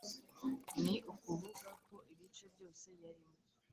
ni ukuvuga ko ibice byose yarimo